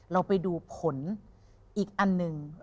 เราไปดูผลอีกอันหนึ่ง